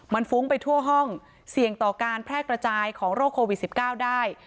มันฟุ้งไปทั่วห้องเสี่ยงต่อการแพร่กระจายของโรคโควิด๑๙ได้